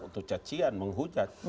untuk cacian menghujat